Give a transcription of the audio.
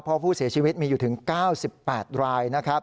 เพราะผู้เสียชีวิตมีอยู่ถึง๙๘รายนะครับ